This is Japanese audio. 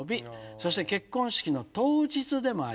そして結婚式の当日でもあります。